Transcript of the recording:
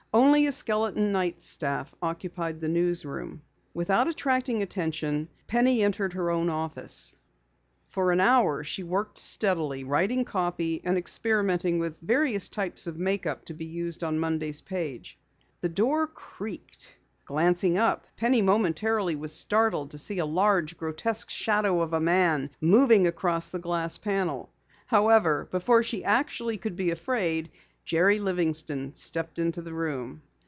Only a skeleton night staff occupied the newsroom. Without attracting attention, Penny entered her own office. For an hour she worked steadily, writing copy, and experimenting with various types of make up to be used on Monday's page. The door creaked. Glancing up, Penny momentarily was startled to see a large, grotesque shadow of a man moving across the glass panel. However, before she actually could be afraid, Jerry Livingston stepped into the room.